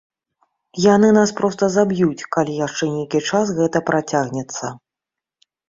Яны нас проста заб'юць, калі яшчэ нейкі час гэта працягнецца.